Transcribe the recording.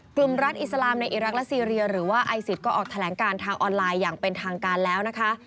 กลุ่มรัฐอิสลามในอิรักและซีเรียหรือว่าไอซิตก็ออกแถลงการทางออนไลน์อย่างเป็นทางการแล้วนะคะ